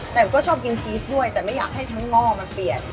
แต่ก็ชอบกินชีสด้วยแต่ไม่อยากให้ทั้งง่อมาเปลี่ยน